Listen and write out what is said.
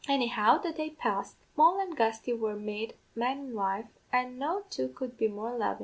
"Anyhow, the day passed; Moll and Gusty were made man an' wife, an' no two could be more lovin'.